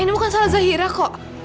ini bukan salah zahira kok